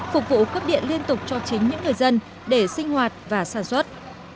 phục vụ cấp điện liên tục cho chính những người dân để sinh hoạt và sản xuất